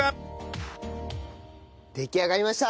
出来上がりました！